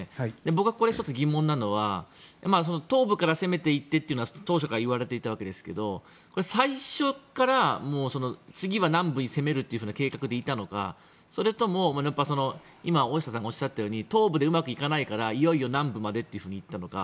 僕はここで１つ疑問なのは東部から攻めていってというのは当初から言われていたわけですが最初から次は南部に攻めるという計画でいたのかそれとも、今東部でうまくいかないからいよいよ南部までというふうにいったのか。